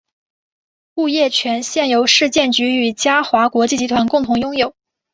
物业权现由市建局与嘉华国际集团共同拥有。